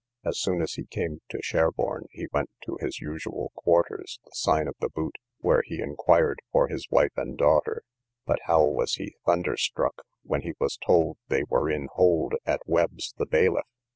As soon as he came to Sherborne, he went to his usual quarters, the sign of the Boot, where he inquired for his wife and daughter; but how was he thunder struck, when he was told they were in hold, at Webb's the bailiff!